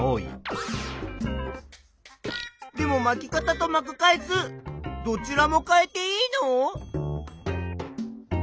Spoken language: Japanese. でもまき方とまく回数どちらも変えていいの？